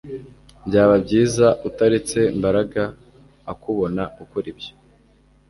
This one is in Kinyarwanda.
Byaba byiza utaretse Mbaraga akubona ukora ibyo